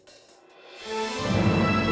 bukannya kamu sudah berubah